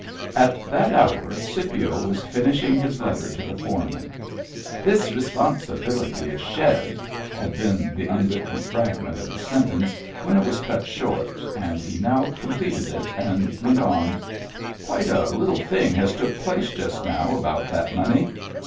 At that hour Scipio was finishing his letter to the foreman :—"— this risponsibillity is shed," had been the unwritten fragment of his sentence when it was cut short, and he now completed it, and went on: —" Quite a little thing has took place just now about that money.